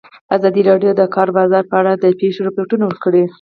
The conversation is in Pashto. ازادي راډیو د د کار بازار په اړه د پېښو رپوټونه ورکړي.